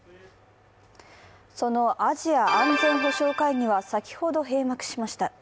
そのアジア安全保障会議は先ほど閉幕しました。